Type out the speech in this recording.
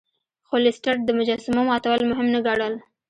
خو لیسټرډ د مجسمو ماتول مهم نه ګڼل.